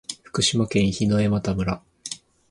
福島県檜枝岐村